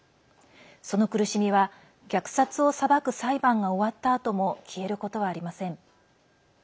その苦しみは虐殺を裁く裁判が終わったあとも消えることはありません。